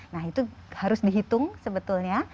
nah itu harus dihitung sebetulnya